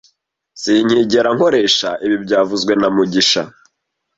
Sinkigera nkoresha ibi byavuzwe na mugisha